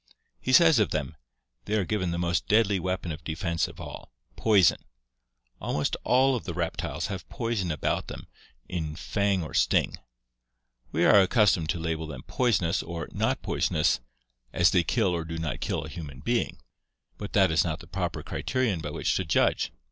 He says of them : "They are given the most deadly weapon of defense of all — poison. Almost all of the reptiles have poison about them in fang 404 ORGANIC EVOLUTION or sting. We are accustomed to label them 'poisonous' or 'not poisonous/ as they kill or do not kill a human being; but that is not the proper criterion by which to judge.